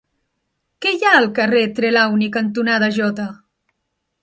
Què hi ha al carrer Trelawny cantonada Jota?